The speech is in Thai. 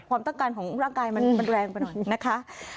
ความต้องการของร่างกายมันแรงไปหน่อยนะคะ